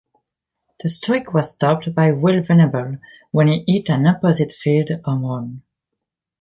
The streak was stopped by Will Venable when he hit an opposite-field home run.